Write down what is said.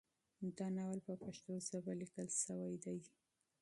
دا ناول په پښتو ژبه لیکل شوی دی.